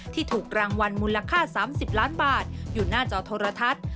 ถูกรางวัลมูลค่า๓๐ล้านบาทอยู่หน้าจอโทรทัศน์